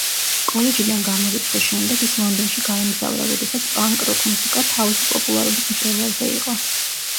კოლეჯიდან გამორიცხვის შემდეგ ის ლონდონში გაემგზავრა, როდესაც პანკ-როკ მუსიკა თავისი პოპულარობის მწვერვალზე იყო.